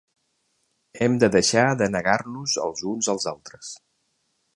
Hem de deixar de negar-nos els uns als altres.